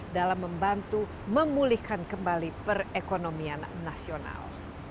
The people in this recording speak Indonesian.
dalam membantu memulihkan kembali perekonomian nasional